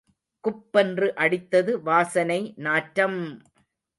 குப் பென்று அடித்தது வாசனை நாற்றம்!